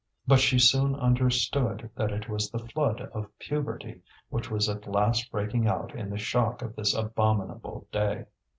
But she soon understood that it was the flood of puberty, which was at last breaking out in the shock of this abominable day.